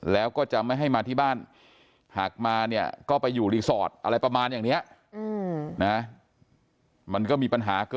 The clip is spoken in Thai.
แล้วก็จะไม่ให้มาที่บ้านหากมาก็ไปอยู่รีสอร์ทอะไรประมาณอย่างนี้